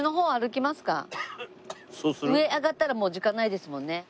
上上がったらもう時間ないですもんね。